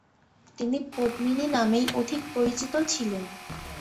তিনি পদ্মিনী নামেই অধিক পরিচিত ছিলেন।